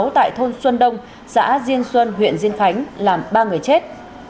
tại thôn xuân đông xã diên xuân huyện diên khánh làm ba người chết